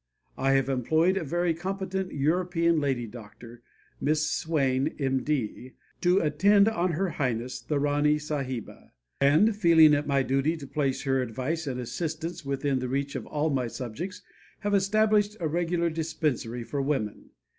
I have employed a very competent European lady doctor, Miss Swain, M.D., to attend on Her Highness, the Rani Sahiba, and, feeling it my duty to place her advice and assistance within the reach of all my subjects, have established a regular dispensary for women.